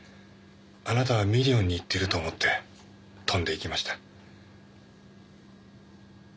あなたはミリオンに行っていると思って飛んでいきました。